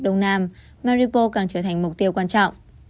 đông nam maripo càng trở thành mục tiêu quan trọng